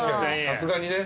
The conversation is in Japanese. さすがにね。